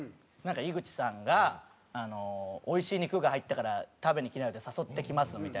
「井口さんがおいしい肉が入ったから食べにきなよって誘ってきます」みたいな。